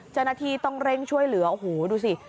เจ้าหน้าที่ต้องเร่งช่วยเหลือโอ้โหดูสิ